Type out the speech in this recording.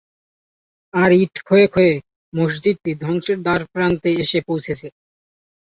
আর ইট ক্ষয়ে ক্ষয়ে মসজিদটি ধ্বংসের দ্বারপ্রান্তে এসে পৌঁছেছে।